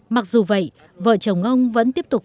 mặc dù vậy vợ chồng ông vẫn tiếp tục